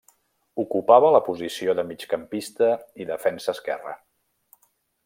Ocupava la posició de migcampista i defensa esquerre.